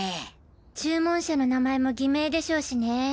注文者の名前も偽名でしょうしね。